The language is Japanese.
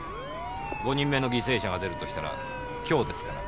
５人目の犠牲者が出るとしたら今日ですから。